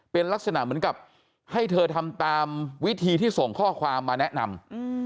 เป็นลักษณะเหมือนกับให้เธอทำตามวิธีที่ส่งข้อความมาแนะนำ